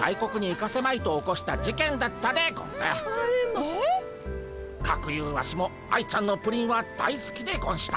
かくいうワシも愛ちゃんのプリンは大すきでゴンした。